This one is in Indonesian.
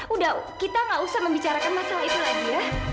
udah kita gak usah membicarakan masalah itu lagi ya